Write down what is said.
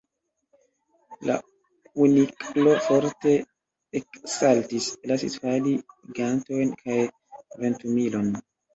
La Kuniklo forte eksaltis, lasis fali gantojn kaj ventumilon.